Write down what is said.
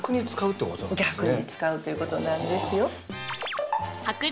逆に使うってことなんですね